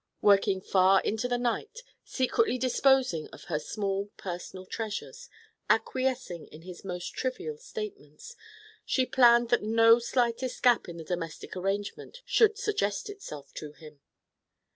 Working far into the night, secretly disposing of her small personal treasures, acquiescing in his most trivial statements, she planned that no slightest gap in the domestic arrangement should suggest itself to him.